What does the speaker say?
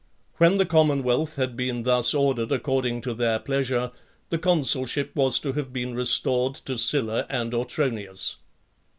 When the commonwealth had been thus ordered according to their pleasure, the consulship was to have been restored to Sylla and Autronius.